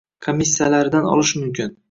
komissijalaridan olish mumkin